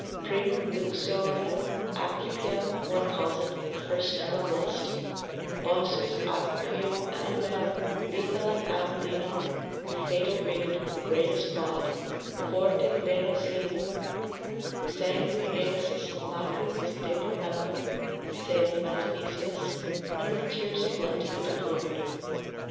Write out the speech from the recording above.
Primum luxuriae, aucupium, one calls it, the first snare of lust; Bossus aucupium animarum, lethalem arundinem, a fatal reed, the greatest bawd, forte lenocinium, sanguineis lachrymis deplorandum, saith Matenesius, and with tears of blood to be deplored.